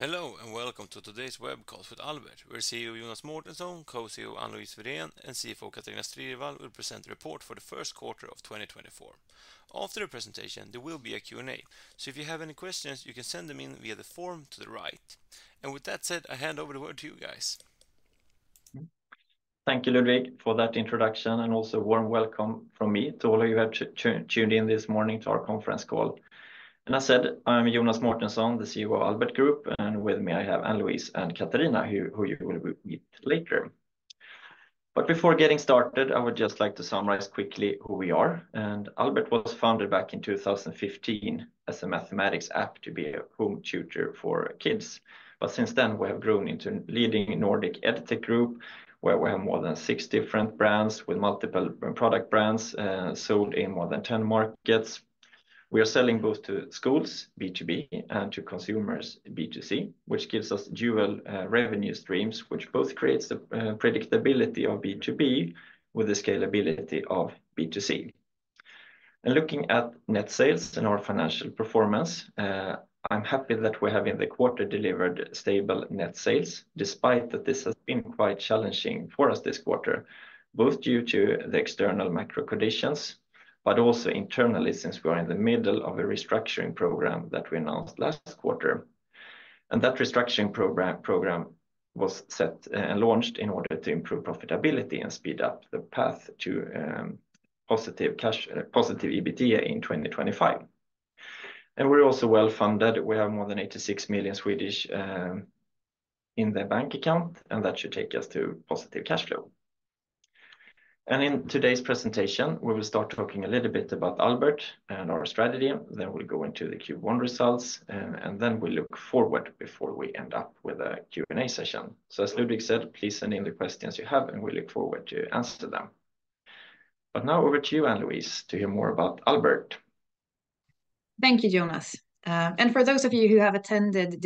Hello and welcome to today's webcast with Albert, where CEO Jonas Mårtensson, Co-CEO Anne-Louise Wirén, and CFO Katarina Strivall will present a report for the first quarter of 2024. After the presentation, there will be a Q&A, so if you have any questions, you can send them in via the form to the right. With that said, I hand over the word to you guys. Thank you, Ludvig, for that introduction, and also a warm welcome from me to all of you who have tuned in this morning to our conference call. As said, I'm Jonas Mårtensson, the CEO of Albert Group, and with me I have Anne-Louise and Katarina, who you will meet later. But before getting started, I would just like to summarize quickly who we are. Albert was founded back in 2015 as a mathematics app to be a home tutor for kids. But since then, we have grown into a leading Nordic EdTech group where we have more than six different brands with multiple product brands sold in more than 10 markets. We are selling both to schools, B2B, and to consumers, B2C, which gives us dual revenue streams, which both creates the predictability of B2B with the scalability of B2C. Looking at net sales and our financial performance, I'm happy that we have in the quarter delivered stable net sales, despite that this has been quite challenging for us this quarter, both due to the external macro conditions, but also internally since we are in the middle of a restructuring program that we announced last quarter. That restructuring program was set and launched in order to improve profitability and speed up the path to positive EBITDA in 2025. We're also well funded. We have more than 86 million in the bank account, and that should take us to positive cash flow. In today's presentation, we will start talking a little bit about Albert and our strategy. Then we'll go into the Q1 results, and then we'll look forward before we end up with a Q&A session. As Ludvig said, please send in the questions you have, and we look forward to answering them. Now over to you, Anne-Louise, to hear more about Albert. Thank you, Jonas. For those of you who have attended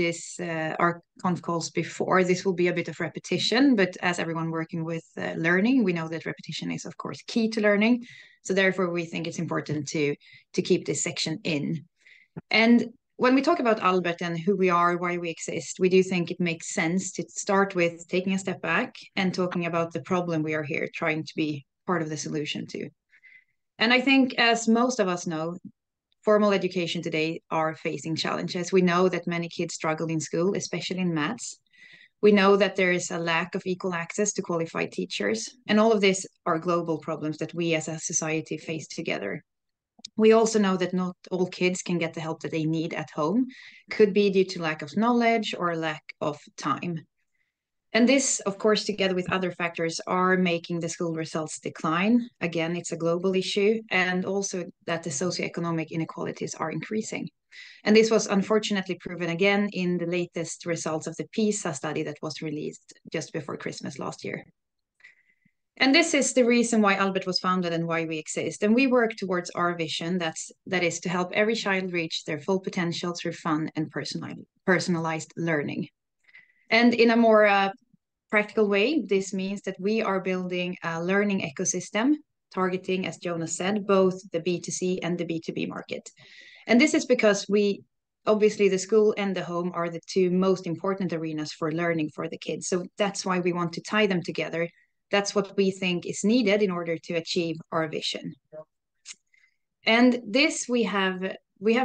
our conference calls before, this will be a bit of repetition, but as everyone working with learning, we know that repetition is, of course, key to learning. So therefore, we think it's important to keep this section in. When we talk about Albert and who we are, why we exist, we do think it makes sense to start with taking a step back and talking about the problem we are here trying to be part of the solution to. I think, as most of us know, formal education today is facing challenges. We know that many kids struggle in school, especially in math. We know that there is a lack of equal access to qualified teachers, and all of these are global problems that we as a society face together. We also know that not all kids can get the help that they need at home, could be due to lack of knowledge or lack of time. This, of course, together with other factors, is making the school results decline. Again, it's a global issue, and also that the socioeconomic inequalities are increasing. This was unfortunately proven again in the latest results of the PISA study that was released just before Christmas last year. This is the reason why Albert was founded and why we exist. We work towards our vision, that is, to help every child reach their full potential through fun and personalized learning. In a more practical way, this means that we are building a learning ecosystem targeting, as Jonas said, both the B2C and the B2B market. This is because we, obviously, the school and the home are the two most important arenas for learning for the kids. So that's why we want to tie them together. That's what we think is needed in order to achieve our vision. This, we have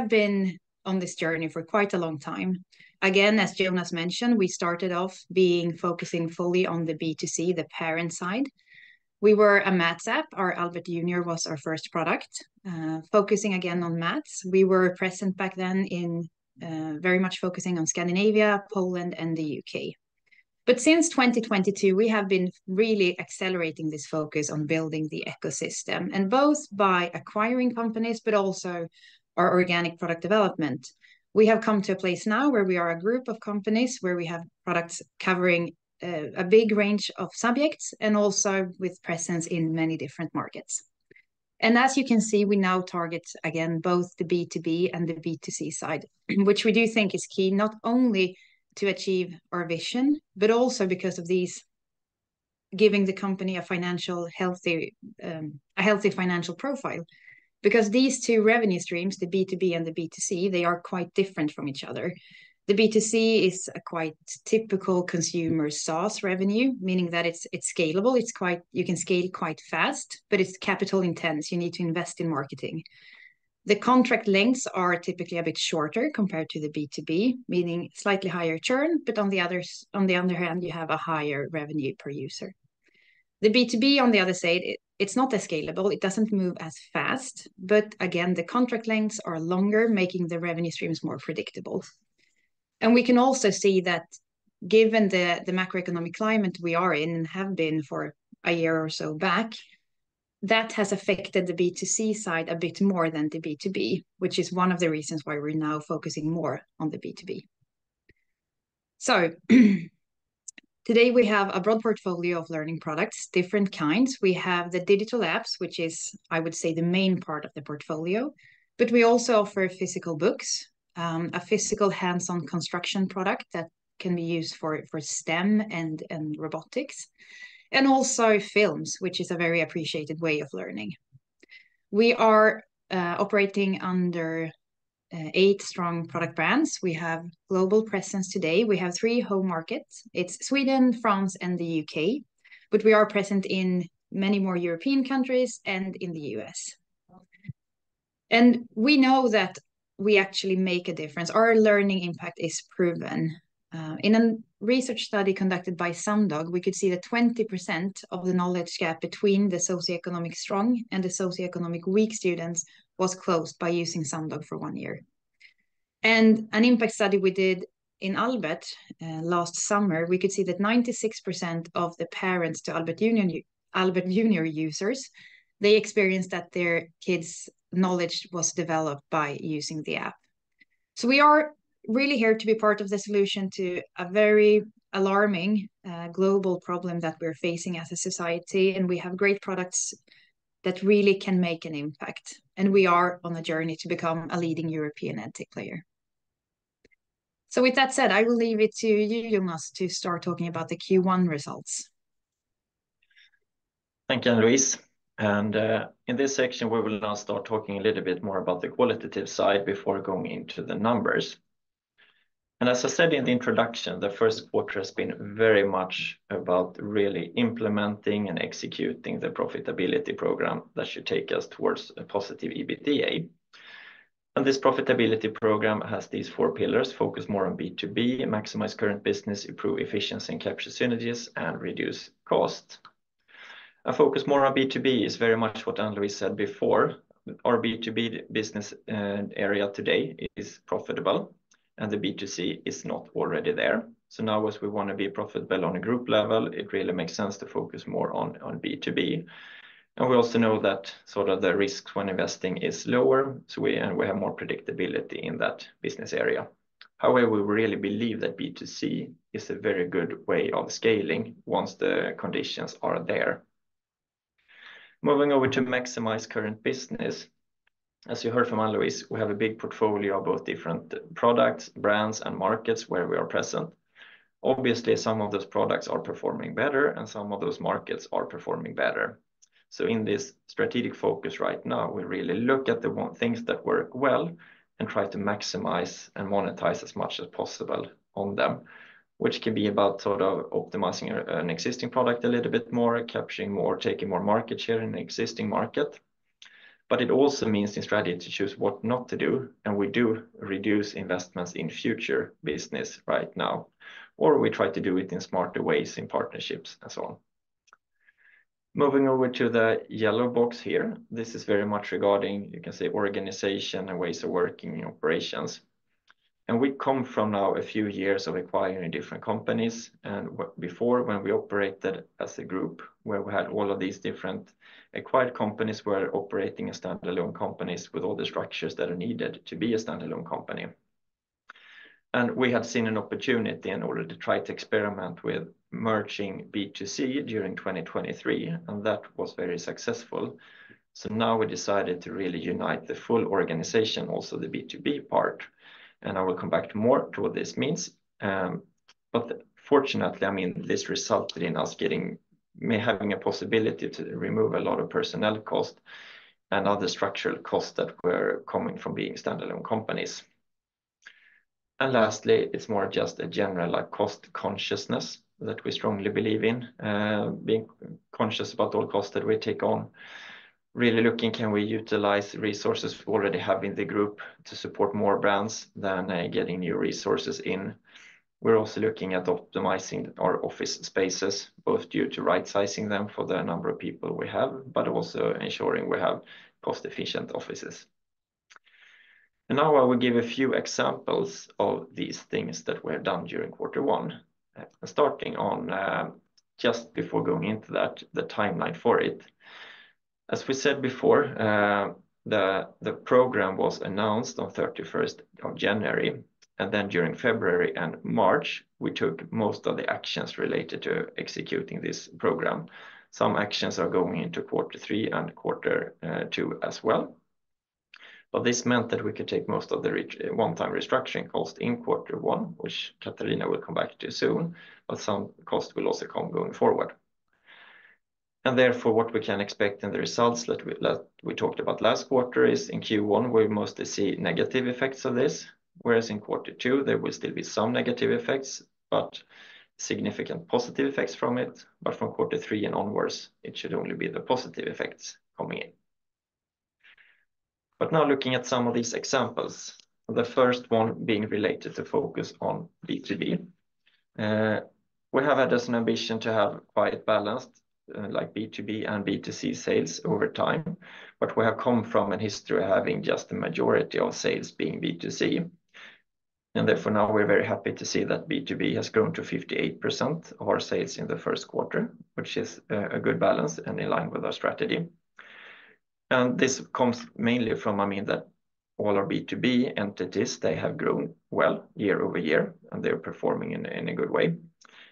been on this journey for quite a long time. Again, as Jonas mentioned, we started off focusing fully on the B2C, the parent side. We were a math app. Our Albert Junior was our first product, focusing again on math. We were present back then very much focusing on Scandinavia, Poland, and the U.K. But since 2022, we have been really accelerating this focus on building the ecosystem, and both by acquiring companies, but also our organic product development. We have come to a place now where we are a group of companies where we have products covering a big range of subjects and also with presence in many different markets. As you can see, we now target, again, both the B2B and the B2C side, which we do think is key not only to achieve our vision, but also because of these giving the company a healthy financial profile. Because these two revenue streams, the B2B and the B2C, they are quite different from each other. The B2C is a quite typical consumer-source revenue, meaning that it's scalable. You can scale quite fast, but it's capital-intense. You need to invest in marketing. The contract lengths are typically a bit shorter compared to the B2B, meaning slightly higher churn, but on the other hand, you have a higher revenue per user. The B2B, on the other side, it's not as scalable. It doesn't move as fast, but again, the contract lengths are longer, making the revenue streams more predictable. We can also see that given the macroeconomic climate we are in and have been for a year or so back, that has affected the B2C side a bit more than the B2B, which is one of the reasons why we're now focusing more on the B2B. Today we have a broad portfolio of learning products, different kinds. We have the digital apps, which is, I would say, the main part of the portfolio. We also offer physical books, a physical hands-on construction product that can be used for STEM and robotics, and also films, which is a very appreciated way of learning. We are operating under eight strong product brands. We have global presence today. We have three home markets. It's Sweden, France, and the U.K. But we are present in many more European countries and in the U.S. And we know that we actually make a difference. Our learning impact is proven. In a research study conducted by Sumdog, we could see that 20% of the knowledge gap between the socioeconomic strong and the socioeconomic weak students was closed by using Sumdog for one year. And an impact study we did in Albert last summer, we could see that 96% of the parents to Albert Junior users, they experienced that their kids' knowledge was developed by using the app. So we are really here to be part of the solution to a very alarming global problem that we're facing as a society. And we have great products that really can make an impact. We are on a journey to become a leading European EdTech player. With that said, I will leave it to you, Jonas, to start talking about the Q1 results. Thank you, Anne-Louise. In this section, we will now start talking a little bit more about the qualitative side before going into the numbers. As I said in the introduction, the first quarter has been very much about really implementing and executing the profitability program that should take us towards a positive EBITDA. This profitability program has these four pillars: focus more on B2B, maximize current business, improve efficiency, and capture synergies, and reduce cost. Focus more on B2B is very much what Anne-Louise said before. Our B2B business area today is profitable, and the B2C is not already there. Now as we want to be profitable on a group level, it really makes sense to focus more on B2B. We also know that sort of the risks when investing are lower, so we have more predictability in that business area. However, we really believe that B2C is a very good way of scaling once the conditions are there. Moving over to maximize current business, as you heard from Anne-Louise, we have a big portfolio of both different products, brands, and markets where we are present. Obviously, some of those products are performing better, and some of those markets are performing better. So in this strategic focus right now, we really look at the things that work well and try to maximize and monetize as much as possible on them, which can be about sort of optimizing an existing product a little bit more, capturing more, taking more market share in an existing market. But it also means in strategy to choose what not to do. And we do reduce investments in future business right now, or we try to do it in smarter ways in partnerships and so on. Moving over to the yellow box here, this is very much regarding, you can say, organization and ways of working in operations. We come from now a few years of acquiring different companies. Before, when we operated as a group where we had all of these different acquired companies were operating as standalone companies with all the structures that are needed to be a standalone company. We had seen an opportunity in order to try to experiment with merging B2C during 2023, and that was very successful. Now we decided to really unite the full organization, also the B2B part. I will come back to more to what this means. But fortunately, I mean, this resulted in us having a possibility to remove a lot of personnel costs and other structural costs that were coming from being standalone companies. And lastly, it's more just a general cost consciousness that we strongly believe in, being conscious about all costs that we take on. Really looking, can we utilize resources we already have in the group to support more brands than getting new resources in? We're also looking at optimizing our office spaces, both due to right-sizing them for the number of people we have, but also ensuring we have cost-efficient offices. And now I will give a few examples of these things that we have done during quarter one. And starting on just before going into that, the timeline for it. As we said before, the program was announced on 31st of January. And then during February and March, we took most of the actions related to executing this program. Some actions are going into quarter three and quarter two as well. But this meant that we could take most of the one-time restructuring costs in quarter one, which Katarina will come back to soon, but some costs will also come going forward. And therefore, what we can expect in the results that we talked about last quarter is in Q1, we mostly see negative effects of this, whereas in quarter two, there will still be some negative effects, but significant positive effects from it. But from quarter three and onwards, it should only be the positive effects coming in. But now looking at some of these examples, the first one being related to focus on B2B. We have had as an ambition to have quite balanced B2B and B2C sales over time, but we have come from a history of having just the majority of sales being B2C. And therefore, now we're very happy to see that B2B has grown to 58% of our sales in the first quarter, which is a good balance and in line with our strategy. And this comes mainly from, I mean, that all our B2B entities, they have grown well year-over-year, and they're performing in a good way.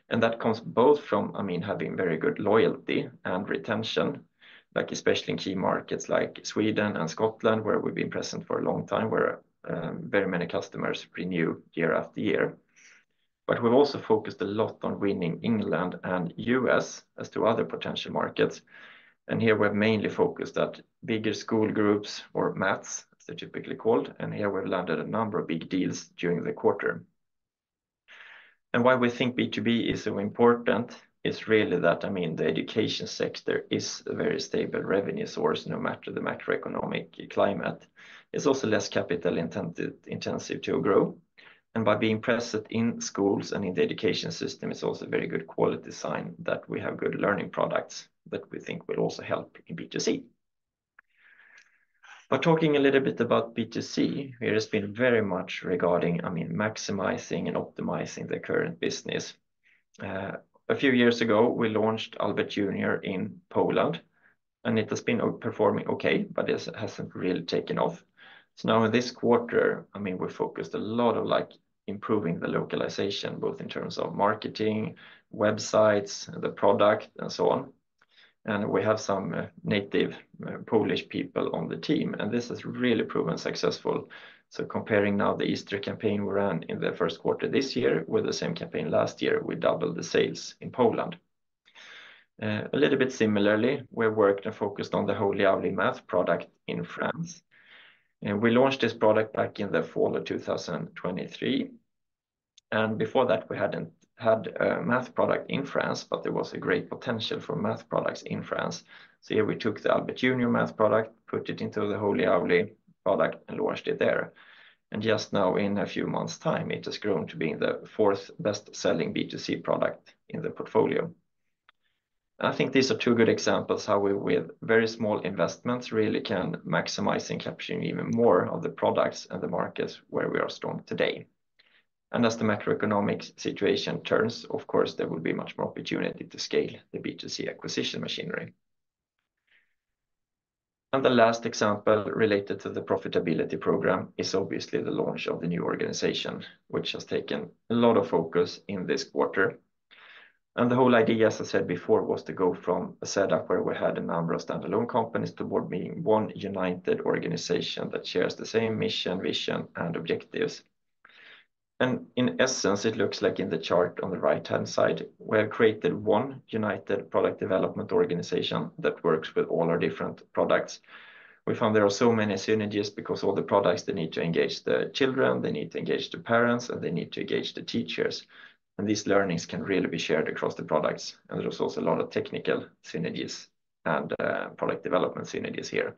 And that comes both from, I mean, having very good loyalty and retention, like especially in key markets like Sweden and Scotland, where we've been present for a long time, where very many customers renew year after year. But we've also focused a lot on winning England and the U.S. as to other potential markets. And here we've mainly focused on bigger school groups or MATs, as they're typically called. And here we've landed a number of big deals during the quarter. Why we think B2B is so important is really that, I mean, the education sector is a very stable revenue source no matter the macroeconomic climate. It's also less capital-intensive to grow. By being present in schools and in the education system, it's also a very good quality sign that we have good learning products that we think will also help in B2C. But talking a little bit about B2C, it has been very much regarding, I mean, maximizing and optimizing the current business. A few years ago, we launched Albert Junior in Poland. It has been performing okay, but it hasn't really taken off. So now in this quarter, I mean, we focused a lot on improving the localization, both in terms of marketing, websites, the product, and so on. We have some native Polish people on the team. This has really proven successful. Comparing now the Easter campaign we ran in the first quarter this year with the same campaign last year, we doubled the sales in Poland. A little bit similarly, we worked and focused on the Holy Owly math product in France. We launched this product back in the fall of 2023. Before that, we hadn't had a math product in France, but there was a great potential for math products in France. Here we took the Albert Junior math product, put it into the Holy Owly product, and launched it there. Just now, in a few months' time, it has grown to be the fourth best-selling B2C product in the portfolio. I think these are two good examples of how we, with very small investments, really can maximize and capture even more of the products and the markets where we are strong today. As the macroeconomic situation turns, of course, there will be much more opportunity to scale the B2C acquisition machinery. The last example related to the profitability program is obviously the launch of the new organization, which has taken a lot of focus in this quarter. The whole idea, as I said before, was to go from a setup where we had a number of standalone companies toward being one united organization that shares the same mission, vision, and objectives. In essence, it looks like in the chart on the right-hand side, we have created one united product development organization that works with all our different products. We found there are so many synergies because all the products, they need to engage the children, they need to engage the parents, and they need to engage the teachers. These learnings can really be shared across the products. There's also a lot of technical synergies and product development synergies here.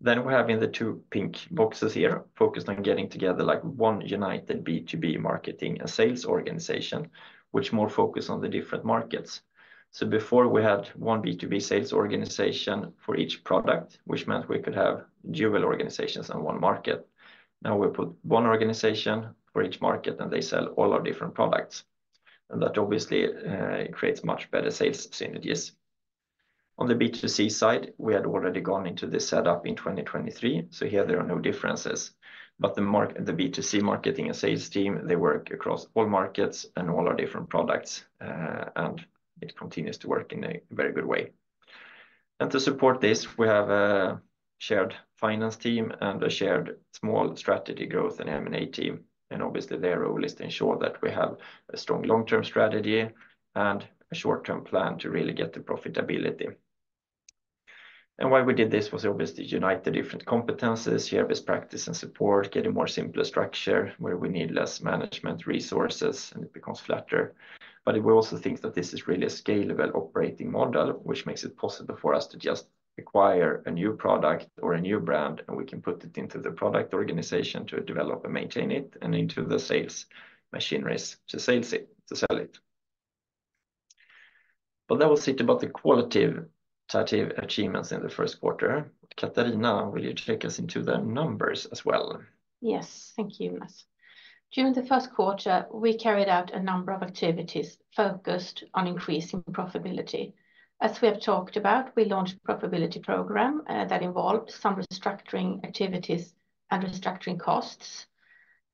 We have in the two pink boxes here focused on getting together like one united B2B marketing and sales organization, which more focuses on the different markets. Before we had one B2B sales organization for each product, which meant we could have dual organizations and one market. Now we put one organization for each market, and they sell all our different products. And that obviously creates much better sales synergies. On the B2C side, we had already gone into this setup in 2023. Here there are no differences. But the B2C marketing and sales team, they work across all markets and all our different products. And it continues to work in a very good way. And to support this, we have a shared finance team and a shared small strategy growth and M&A team. Obviously, their role is to ensure that we have a strong long-term strategy and a short-term plan to really get the profitability. Why we did this was obviously unite the different competencies, share best practice and support, get a more simpler structure where we need less management resources, and it becomes flatter. We also think that this is really a scalable operating model, which makes it possible for us to just acquire a new product or a new brand, and we can put it into the product organization to develop and maintain it and into the sales machineries to sell it. That was it about the qualitative achievements in the first quarter. Katarina, will you take us into the numbers as well? Yes, thank you, Jonas. During the first quarter, we carried out a number of activities focused on increasing profitability. As we have talked about, we launched a profitability program that involved some restructuring activities and restructuring costs.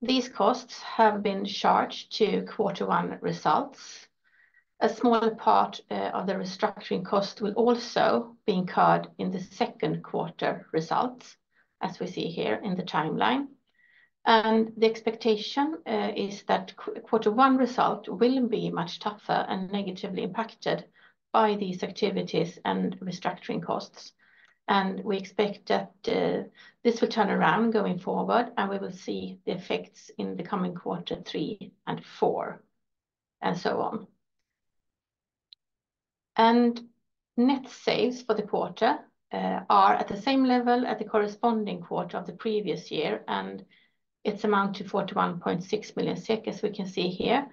These costs have been charged to quarter one results. A smaller part of the restructuring cost will also be incurred in the second quarter results, as we see here in the timeline. The expectation is that quarter one result will be much tougher and negatively impacted by these activities and restructuring costs. We expect that this will turn around going forward, and we will see the effects in the coming quarter three and four, and so on. Net sales for the quarter are at the same level as the corresponding quarter of the previous year, and it amounts to 41.6 million SEK, as we can see here.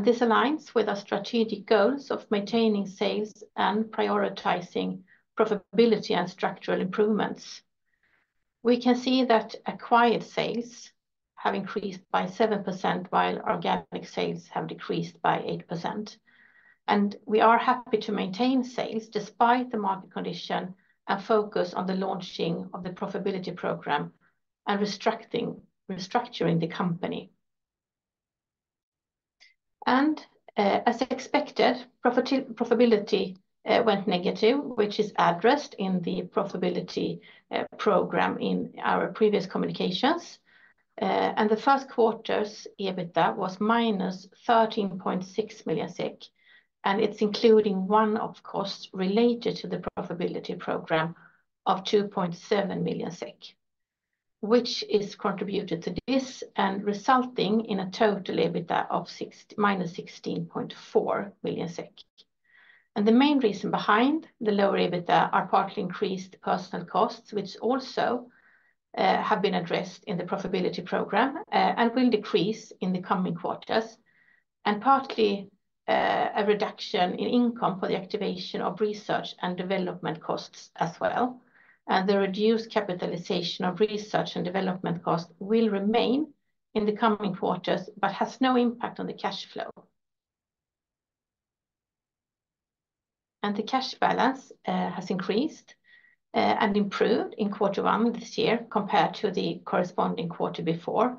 This aligns with our strategic goals of maintaining sales and prioritizing profitability and structural improvements. We can see that acquired sales have increased by 7% while organic sales have decreased by 8%. We are happy to maintain sales despite the market condition and focus on the launching of the profitability program and restructuring the company. As expected, profitability went negative, which is addressed in the profitability program in our previous communications. The first quarter's EBITDA was minus 13.6 million SEK. It's including one-off costs related to the profitability program of 2.7 million SEK, which is contributed to this and resulting in a total EBITDA of minus 16.4 million SEK. The main reason behind the lower EBITDA are partly increased personnel costs, which also have been addressed in the profitability program and will decrease in the coming quarters. Partly a reduction in income for the activation of research and development costs as well. The reduced capitalization of research and development costs will remain in the coming quarters but has no impact on the cash flow. The cash balance has increased and improved in quarter one this year compared to the corresponding quarter before.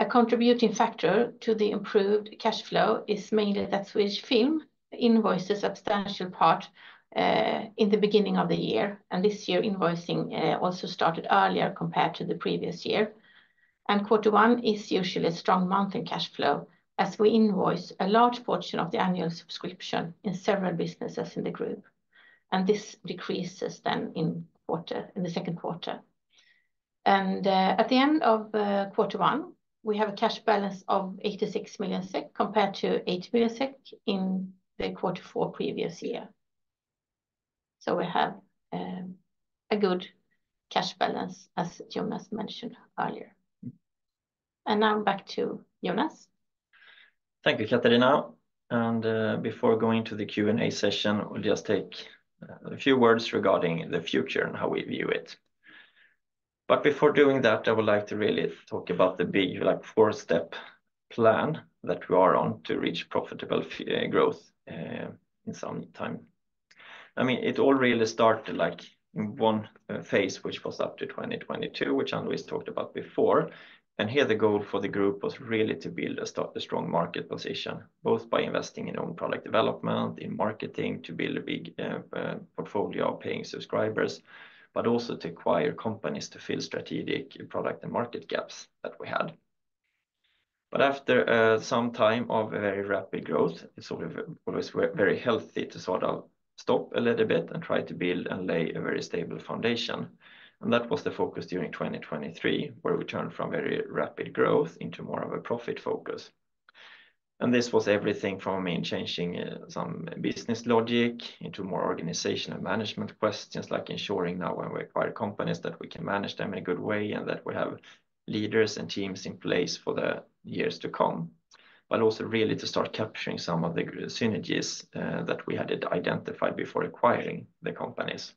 A contributing factor to the improved cash flow is mainly that Swedish Film invoices a substantial part in the beginning of the year. This year, invoicing also started earlier compared to the previous year. Quarter one is usually a strong month in cash flow as we invoice a large portion of the annual subscription in several businesses in the group. This decreases then in the second quarter. At the end of quarter one, we have a cash balance of 86 million SEK compared to 8 million SEK in the quarter four previous year. So we have a good cash balance, as Jonas mentioned earlier. And now back to Jonas. Thank you, Katarina. And before going to the Q&A session, we'll just take a few words regarding the future and how we view it. But before doing that, I would like to really talk about the big four-step plan that we are on to reach profitable growth in some time. I mean, it all really started in one phase, which was up to 2022, which Anne-Louise talked about before. And here the goal for the group was really to build a strong market position, both by investing in own product development, in marketing, to build a big portfolio of paying subscribers, but also to acquire companies to fill strategic product and market gaps that we had. But after some time of a very rapid growth, it's always very healthy to sort of stop a little bit and try to build and lay a very stable foundation. That was the focus during 2023, where we turned from very rapid growth into more of a profit focus. And this was everything from, I mean, changing some business logic into more organizational management questions, like ensuring now when we acquire companies that we can manage them in a good way and that we have leaders and teams in place for the years to come, but also really to start capturing some of the synergies that we had identified before acquiring the companies.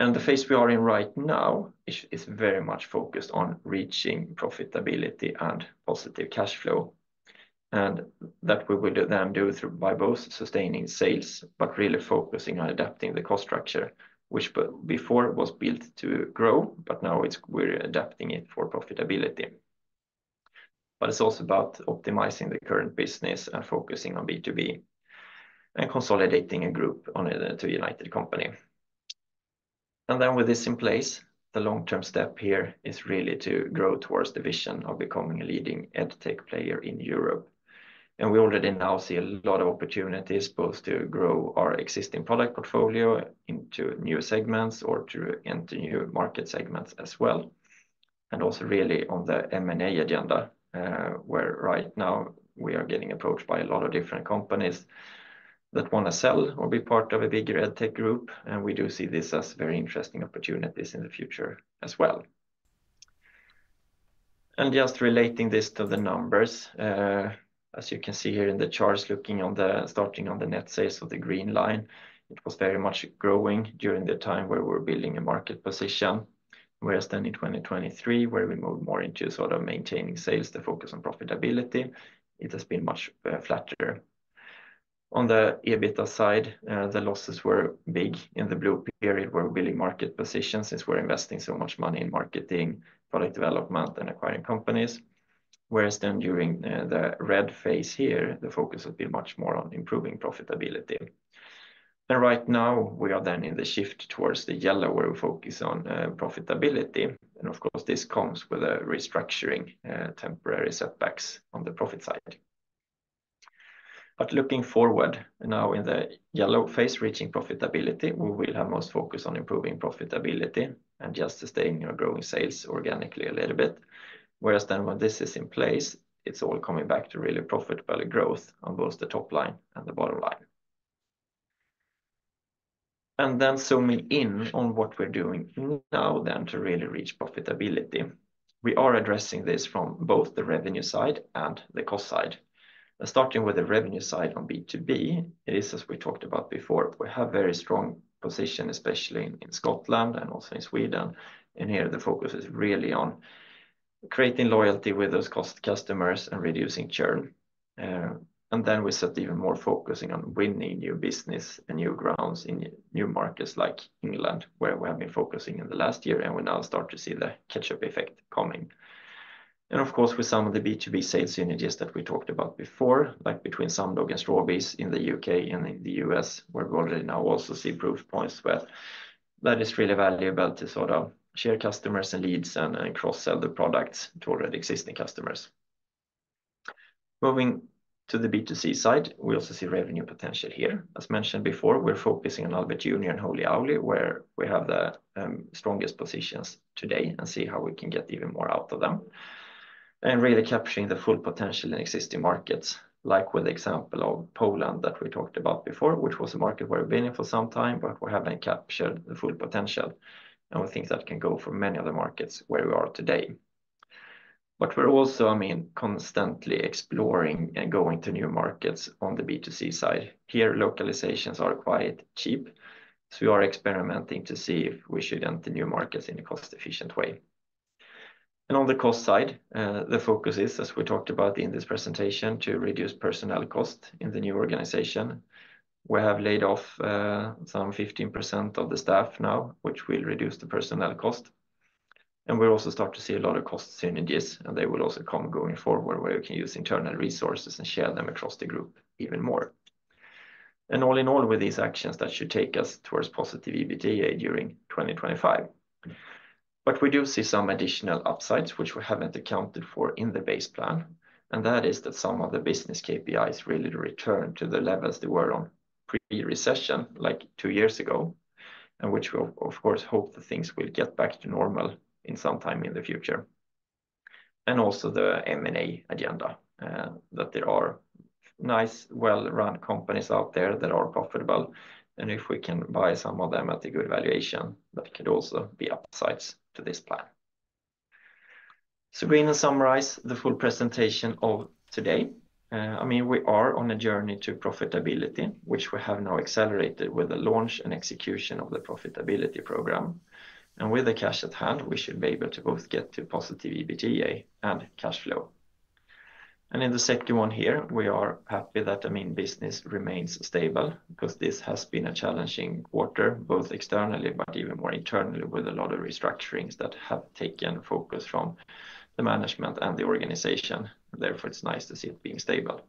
And the phase we are in right now is very much focused on reaching profitability and positive cash flow. And that we will then do through by both sustaining sales, but really focusing on adapting the cost structure, which before was built to grow, but now we're adapting it for profitability. But it's also about optimizing the current business and focusing on B2B and consolidating a group onto a united company. Then with this in place, the long-term step here is really to grow towards the vision of becoming a leading EdTech player in Europe. We already now see a lot of opportunities both to grow our existing product portfolio into new segments or to enter new market segments as well. Also really on the M&A agenda, where right now we are getting approached by a lot of different companies that want to sell or be part of a bigger EdTech group. We do see this as very interesting opportunities in the future as well. Just relating this to the numbers, as you can see here in the charts, looking on the starting on the net sales of the green line, it was very much growing during the time where we were building a market position. Whereas then in 2023, where we moved more into sort of maintaining sales, the focus on profitability, it has been much flatter. On the EBITDA side, the losses were big in the blue period where we're building market positions since we're investing so much money in marketing, product development, and acquiring companies. Whereas then during the red phase here, the focus has been much more on improving profitability. And right now, we are then in the shift towards the yellow where we focus on profitability. And of course, this comes with a restructuring, temporary setbacks on the profit side. But looking forward now in the yellow phase, reaching profitability, we will have most focus on improving profitability and just sustaining or growing sales organically a little bit. Whereas then when this is in place, it's all coming back to really profitable growth on both the top line and the bottom line. And then zooming in on what we're doing now then to really reach profitability. We are addressing this from both the revenue side and the cost side. Starting with the revenue side on B2B, it is, as we talked about before, we have a very strong position, especially in Scotland and also in Sweden. And here the focus is really on creating loyalty with those core customers and reducing churn. And then we set even more focusing on winning new business and new grounds in new markets like England, where we have been focusing in the last year, and we now start to see the catch-up effect coming. And of course, with some of the B2B sales synergies that we talked about before, like between Sumdog and Strawbees in the U.K. and in the U.S., where we already now also see proof points where that is really valuable to sort of share customers and leads and cross-sell the products to already existing customers. Moving to the B2C side, we also see revenue potential here. As mentioned before, we're focusing on Albert Junior and Holy Owly, where we have the strongest positions today and see how we can get even more out of them. And really capturing the full potential in existing markets, like with the example of Poland that we talked about before, which was a market where we've been for some time, but we haven't captured the full potential. And we think that can go for many other markets where we are today. But we're also, I mean, constantly exploring and going to new markets on the B2C side. Here, localizations are quite cheap. So we are experimenting to see if we should enter new markets in a cost-efficient way. And on the cost side, the focus is, as we talked about in this presentation, to reduce personnel cost in the new organization. We have laid off some 15% of the staff now, which will reduce the personnel cost. We'll also start to see a lot of cost synergies, and they will also come going forward where we can use internal resources and share them across the group even more. All in all, with these actions that should take us towards positive EBITDA during 2025. But we do see some additional upsides, which we haven't accounted for in the base plan. And that is that some of the business KPIs really return to the levels they were on pre-recession, like two years ago, and which we, of course, hope that things will get back to normal in some time in the future. And also the M&A agenda, that there are nice, well-run companies out there that are profitable. And if we can buy some of them at a good valuation, that could also be upsides to this plan. So going to summarize the full presentation of today. I mean, we are on a journey to profitability, which we have now accelerated with the launch and execution of the profitability program. With the cash at hand, we should be able to both get to positive EBITDA and cash flow. In the second one here, we are happy that, I mean, business remains stable because this has been a challenging quarter, both externally, but even more internally, with a lot of restructurings that have taken focus from the management and the organization. Therefore, it's nice to see it being stable.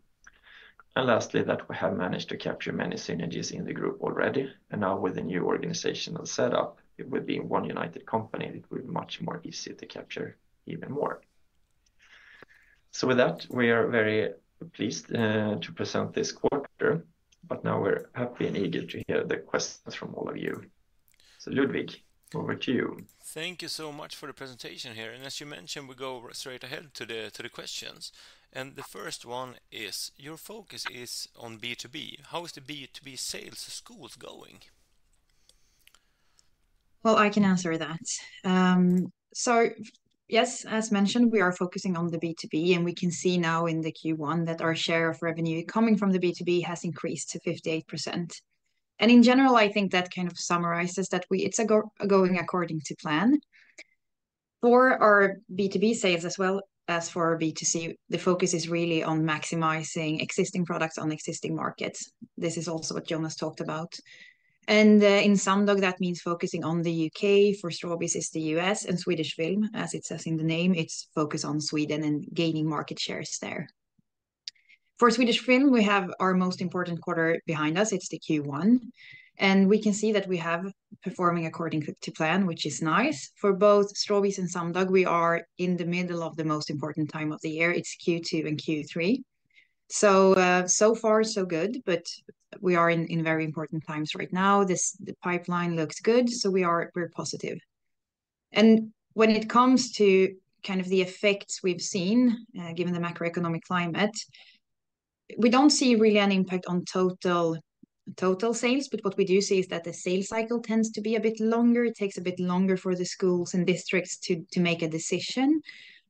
Lastly, we have managed to capture many synergies in the group already. Now with the new organizational setup, it would be one united company. It would be much more easy to capture even more. With that, we are very pleased to present this quarter. Now we're happy and eager to hear the questions from all of you. Ludvig, over to you. Thank you so much for the presentation here. As you mentioned, we go straight ahead to the questions. The first one is, your focus is on B2B. How is the B2B sales to schools going? Well, I can answer that. So yes, as mentioned, we are focusing on the B2B. And we can see now in the Q1 that our share of revenue coming from the B2B has increased to 58%. And in general, I think that kind of summarizes that it's going according to plan. For our B2B sales as well as for our B2C, the focus is really on maximizing existing products on existing markets. This is also what Jonas talked about. And in Sumdog, that means focusing on the U.K. For Strawbees, it's the U.S. And Swedish Film, as it says in the name, it's focused on Sweden and gaining market shares there. For Swedish Film, we have our most important quarter behind us. It's the Q1. And we can see that we have performing according to plan, which is nice. For both Strawbees and Sumdog, we are in the middle of the most important time of the year. It's Q2 and Q3. So far, so good. But we are in very important times right now. The pipeline looks good. So we're positive. And when it comes to kind of the effects we've seen, given the macroeconomic climate, we don't see really an impact on total sales. But what we do see is that the sales cycle tends to be a bit longer. It takes a bit longer for the schools and districts to make a decision,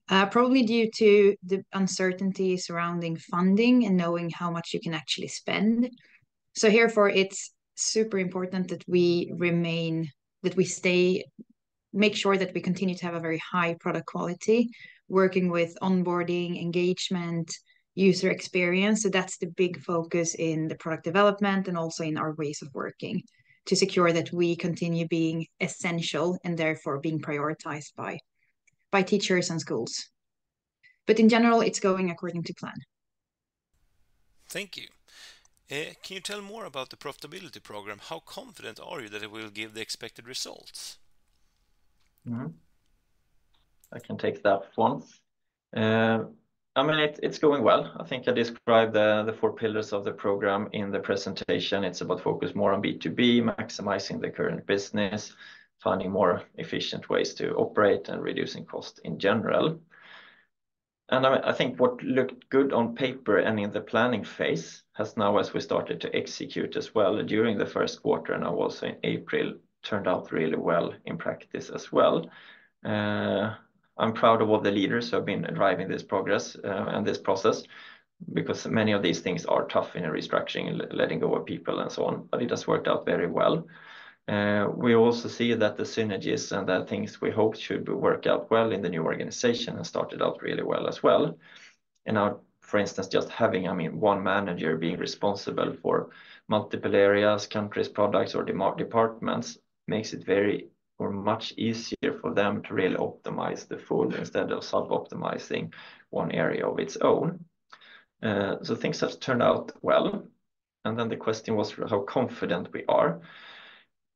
probably due to the uncertainty surrounding funding and knowing how much you can actually spend. So therefore, it's super important that we remain, that we stay, make sure that we continue to have a very high product quality, working with onboarding, engagement, user experience. That's the big focus in the product development and also in our ways of working to secure that we continue being essential and therefore being prioritized by teachers and schools. In general, it's going according to plan. Thank you. Can you tell more about the profitability program? How confident are you that it will give the expected results? I can take that once. I mean, it's going well. I think I described the four pillars of the program in the presentation. It's about focus more on B2B, maximizing the current business, finding more efficient ways to operate, and reducing cost in general. I think what looked good on paper and in the planning phase has now, as we started to execute as well during the first quarter and also in April, turned out really well in practice as well. I'm proud of all the leaders who have been driving this progress and this process because many of these things are tough in a restructuring, letting go of people and so on. But it has worked out very well. We also see that the synergies and the things we hoped should work out well in the new organization have started out really well as well. Now, for instance, just having, I mean, one manager being responsible for multiple areas, countries, products, or departments makes it very or much easier for them to really optimize the full instead of sub-optimizing one area of its own. Things have turned out well. Then the question was how confident we are.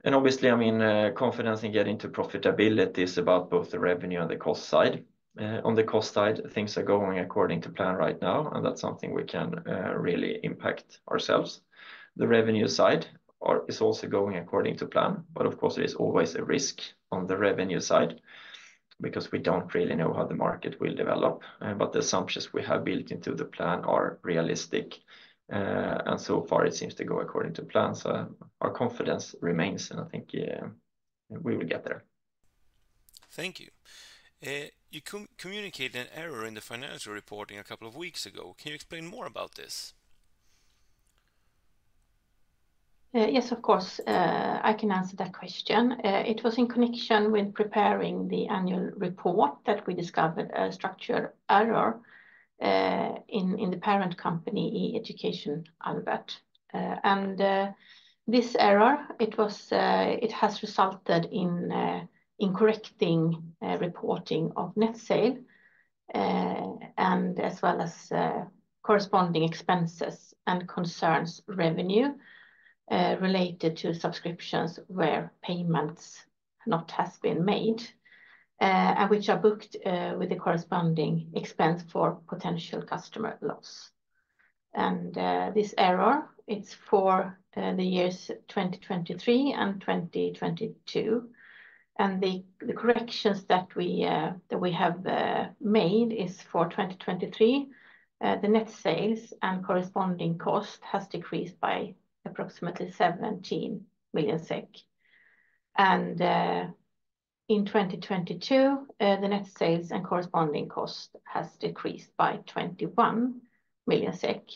Obviously, I mean, confidence in getting to profitability is about both the revenue and the cost side. On the cost side, things are going according to plan right now. That's something we can really impact ourselves. The revenue side is also going according to plan. But of course, there is always a risk on the revenue side because we don't really know how the market will develop. The assumptions we have built into the plan are realistic. So far, it seems to go according to plan. Our confidence remains. I think we will get there. Thank you. You communicated an error in the financial reporting a couple of weeks ago. Can you explain more about this? Yes, of course. I can answer that question. It was in connection with preparing the annual report that we discovered a structural error in the parent company, eEducation Albert. This error, it has resulted in incorrect reporting of net sales and as well as corresponding expenses and concerning revenue related to subscriptions where payments not have been made and which are booked with the corresponding expense for potential customer loss. This error, it's for the years 2023 and 2022. The corrections that we have made is for 2023. The net sales and corresponding cost has decreased by approximately 17 million SEK. In 2022, the net sales and corresponding cost has decreased by 21 million SEK.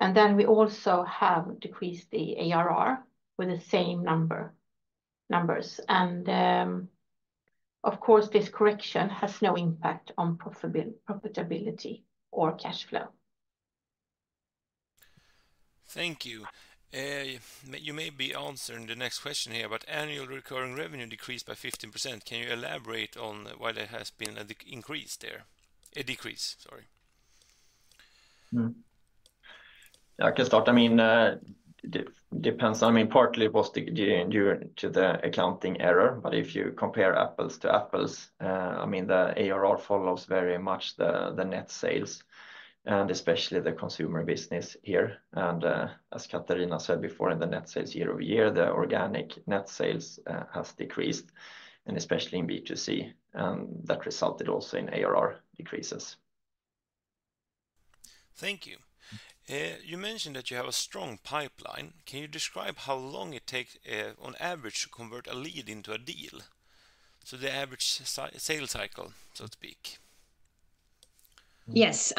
Then we also have decreased the ARR with the same numbers. Of course, this correction has no impact on profitability or cash flow. Thank you. You may be answering the next question here, but annual recurring revenue decreased by 15%. Can you elaborate on why there has been an increase there? A decrease, sorry. I can start on mine. It depends. On my part, it was due to the accounting error. But if you compare apples to apples, I mean, the ARR follows very much the net sales, and especially the consumer business here. And as Katarina said before, in the net sales year-over-year, the organic net sales has decreased, and especially in B2C. And that resulted also in ARR decreases. Thank you. You mentioned that you have a strong pipeline. Can you describe how long it takes on average to convert a lead into a deal? So the average sales cycle, so to speak. Yes.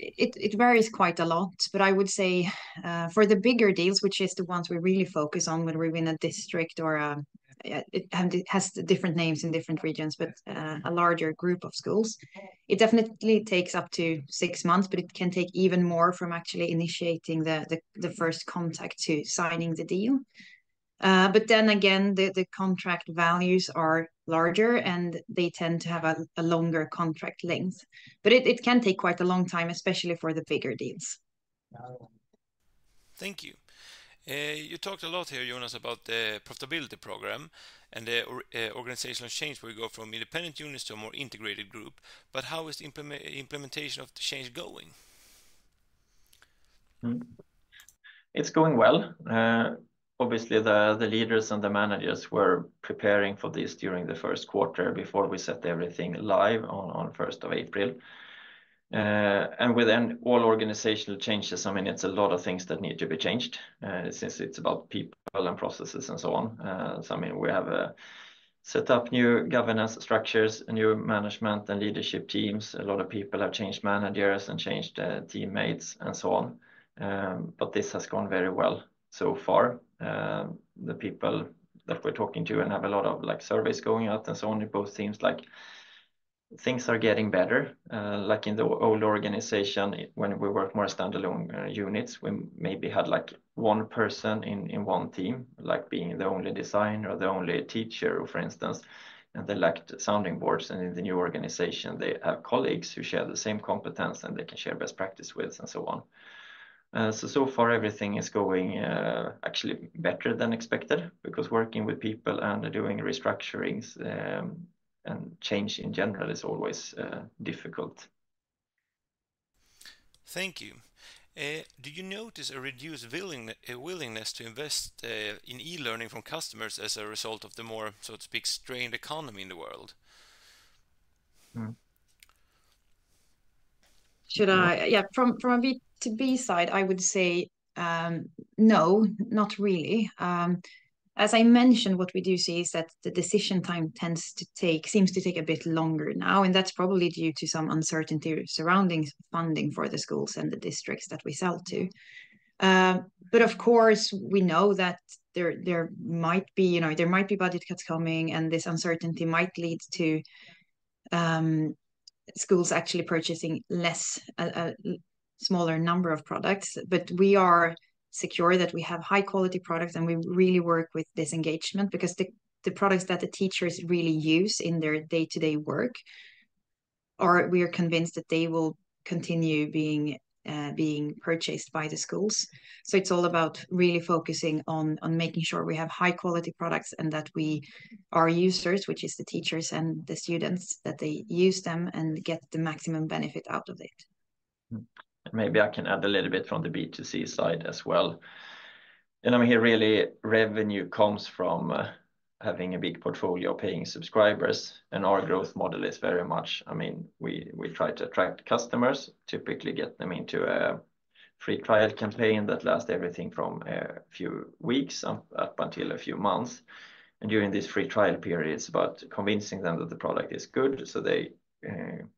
It varies quite a lot. But I would say for the bigger deals, which is the ones we really focus on when we're in a district or it has different names in different regions, but a larger group of schools, it definitely takes up to six months. But it can take even more from actually initiating the first contact to signing the deal. But then again, the contract values are larger, and they tend to have a longer contract length. But it can take quite a long time, especially for the bigger deals. Thank you. You talked a lot here, Jonas, about the profitability program and the organizational change where we go from independent units to a more integrated group. But how is the implementation of the change going? It's going well. Obviously, the leaders and the managers were preparing for this during the first quarter before we set everything live on 1 April. With all organizational changes, I mean, it's a lot of things that need to be changed since it's about people and processes and so on. So I mean, we have set up new governance structures, new management and leadership teams. A lot of people have changed managers and changed teammates and so on. But this has gone very well so far. The people that we're talking to and have a lot of surveys going out and so on in both teams, things are getting better. Like in the old organization, when we worked more standalone units, we maybe had one person in one team, being the only designer or the only teacher, for instance. They lacked sounding boards. In the new organization, they have colleagues who share the same competence, and they can share best practice with and so on. So far, everything is going actually better than expected because working with people and doing restructurings and change in general is always difficult. Thank you. Do you notice a reduced willingness to invest in e-learning from customers as a result of the more, so to speak, strained economy in the world? Yeah, from a B2B side, I would say no, not really. As I mentioned, what we do see is that the decision time seems to take a bit longer now. And that's probably due to some uncertainty surrounding funding for the schools and the districts that we sell to. But of course, we know that there might be budget cuts coming, and this uncertainty might lead to schools actually purchasing a smaller number of products. But we are secure that we have high-quality products, and we really work with this engagement because the products that the teachers really use in their day-to-day work, we are convinced that they will continue being purchased by the schools. It's all about really focusing on making sure we have high-quality products and that we are users, which is the teachers and the students, that they use them and get the maximum benefit out of it. Maybe I can add a little bit from the B2C side as well. I mean, here really, revenue comes from having a big portfolio paying subscribers. Our growth model is very much, I mean, we try to attract customers, typically get them into a free trial campaign that lasts everything from a few weeks up until a few months. And during this free trial period, it's about convincing them that the product is good so they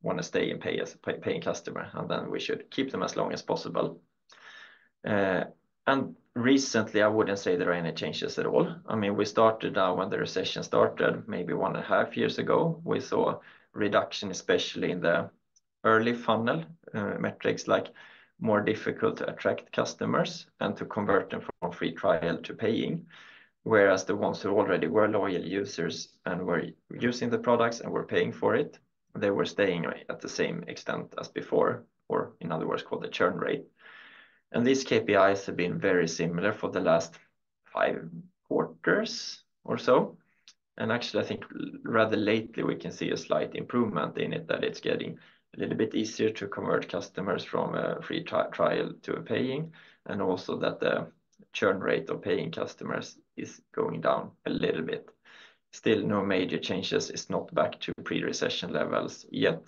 want to stay and pay a paying customer. And then we should keep them as long as possible. And recently, I wouldn't say there are any changes at all. I mean, we started now when the recession started, maybe 1.5 years ago. We saw reduction, especially in the early funnel metrics, like more difficult to attract customers and to convert them from free trial to paying. Whereas the ones who already were loyal users and were using the products and were paying for it, they were staying at the same extent as before, or in other words called the churn rate. These KPIs have been very similar for the last five quarters or so. Actually, I think rather lately, we can see a slight improvement in it, that it's getting a little bit easier to convert customers from a free trial to a paying, and also that the churn rate of paying customers is going down a little bit. Still, no major changes. It's not back to pre-recession levels yet.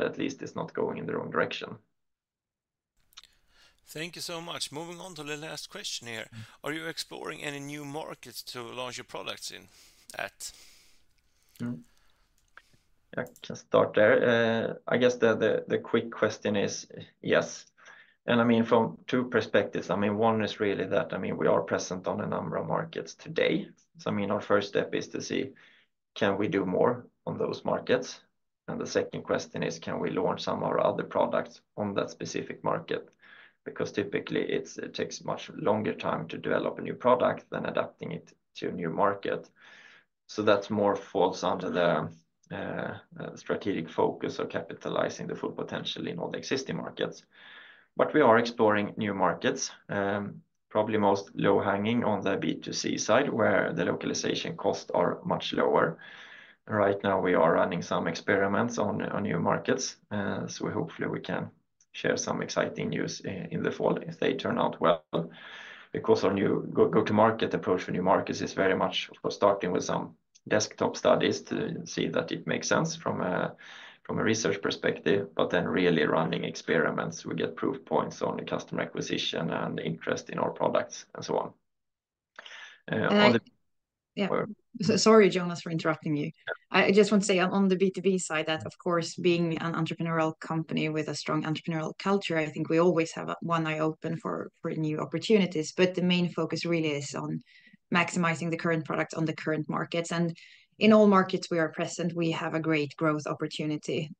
At least it's not going in the wrong direction. Thank you so much. Moving on to the last question here. Are you exploring any new markets to launch your products in? I can start there. I guess the quick question is yes. And I mean, from two perspectives, I mean, one is really that, I mean, we are present on a number of markets today. So I mean, our first step is to see, can we do more on those markets? And the second question is, can we launch some of our other products on that specific market? Because typically, it takes a much longer time to develop a new product than adapting it to a new market. So that more falls under the strategic focus of capitalizing the full potential in all the existing markets. But we are exploring new markets, probably most low-hanging on the B2C side, where the localization costs are much lower. Right now, we are running some experiments on new markets. Hopefully, we can share some exciting news in the fall if they turn out well. Because our new go-to-market approach for new markets is very much, of course, starting with some desktop studies to see that it makes sense from a research perspective, but then really running experiments. We get proof points on customer acquisition and interest in our products and so on. Sorry, Jonas, for interrupting you. I just want to say on the B2B side that, of course, being an entrepreneurial company with a strong entrepreneurial culture, I think we always have one eye open for new opportunities. But the main focus really is on maximizing the current product on the current markets. And in all markets we are present, we have a great growth opportunity.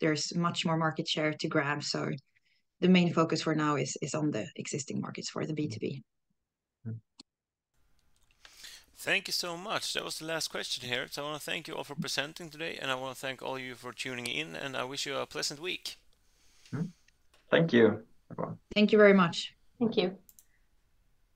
There's much more market share to grab. So the main focus for now is on the existing markets for the B2B. Thank you so much. That was the last question here. I want to thank you all for presenting today. I want to thank all you for tuning in. I wish you a pleasant week. Thank you. Thank you very much. Thank you.